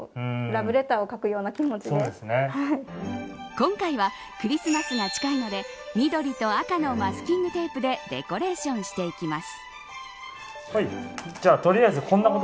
今回はクリスマスが近いので緑と赤のマスキングテープでデコレーションしていきます。